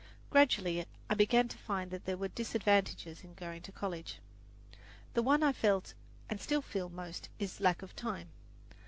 Gradually I began to find that there were disadvantages in going to college. The one I felt and still feel most is lack of time.